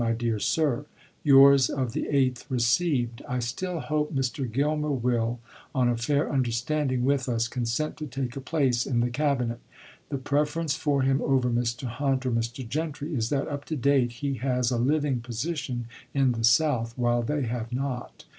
My Dear Sir : Yours of the 8th received. I still hope Mr. Gilmer will, on a fair understanding with us, consent to take a place in the Cabinet. The preference for him over Mr. Hunt or Mr. Gentry is that, up to date, he has a living position in the South, while they have not.